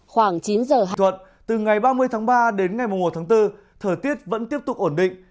khoảng chín giờ học từ ngày ba mươi tháng ba đến ngày một tháng bốn thời tiết vẫn tiếp tục ổn định